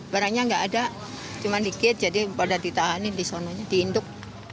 barangnya nggak ada cuma dikit jadi pada ditahanin di sananya diinduk